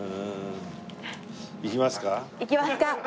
行きますか。